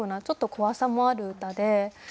ちょっと怖さもある歌で。